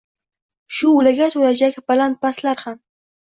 Shu’laga to’lajak baland-pastlar ham.